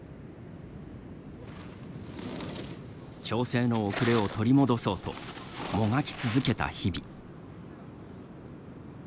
調整の遅れを取り戻そうともがき続けた日々。